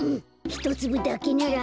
ひとつぶだけなら。